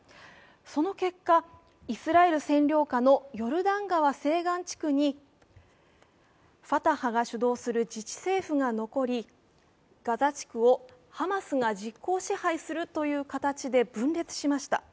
その結果、イスラエル占領下のヨルダン川西岸地区にファタハが主導する自治政府が残り、ガザ地区をハマスが実効支配するという形で分裂しました。